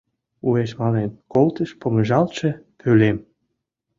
Уэш мален колтыш помыжалтше пӧлем.